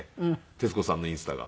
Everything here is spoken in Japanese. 徹子さんのインスタが。